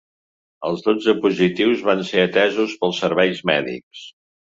Els dotze positius van ser atesos pels serveis mèdics.